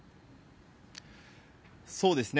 そうですね。